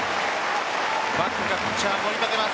バックがピッチャーを盛り立てます。